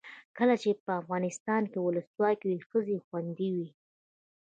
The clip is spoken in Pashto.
کله چې افغانستان کې ولسواکي وي ښځې خوندي وي.